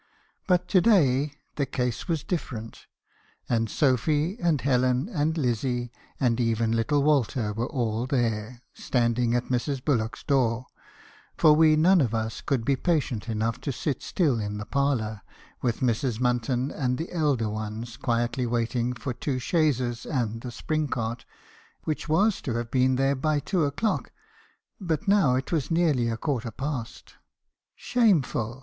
But to day the case was dif ferent; and Sophy, and Helen, and Lizzie, and even little Walter, were all there, standing at Mrs. Bullock's door; for we none of us could be patient enough to sit still in the parlour with Mrs. Munton and the elder ones, quietly waiting for the two chaises and the spring cart , which were to have been there by two o'clock , and now it was nearly a quarter past. 4 Shame ful!